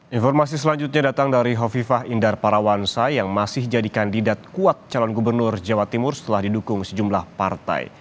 informasi selanjutnya datang dari hovifah indar parawansa yang masih jadi kandidat kuat calon gubernur jawa timur setelah didukung sejumlah partai